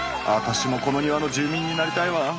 アタシもこの庭の住民になりたいわ。